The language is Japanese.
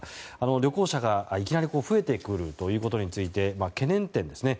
旅行者がいきなり増えてくることについて懸念点ですね。